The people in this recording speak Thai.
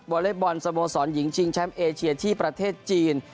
อเล็กบอลสโมสรหญิงชิงแชมป์เอเชียที่ประเทศจีน